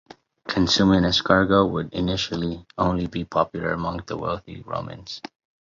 Consuming escargot would initially only be popular among the wealthy Romans.